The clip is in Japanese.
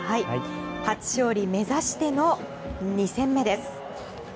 初勝利目指しての２戦目です。